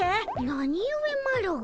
なにゆえマロが。